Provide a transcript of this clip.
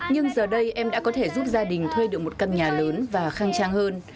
nhưng giờ đây em đã có thể giúp gia đình thuê được một căn nhà lớn và khăng trang hơn